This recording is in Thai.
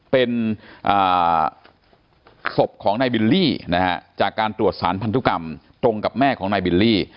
เป็นศพของนายบิลลี่นะฮะจากการตรวจสารพันธุกรรมตรงกับแม่ของนายบิลลี่